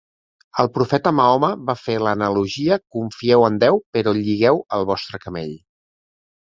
El profeta Mahoma va fer l'analogia "Confieu en Déu, però lligueu el vostre camell".